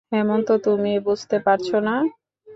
হেমন্ত তুমি বুঝতে পারছো না।